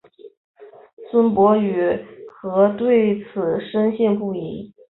孙傅与何对此深信不疑。